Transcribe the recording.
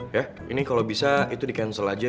ya ini kalau bisa itu di cancel aja